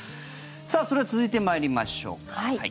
さあ、それでは続いて参りましょうか。